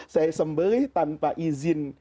saya sembelih tanpa izin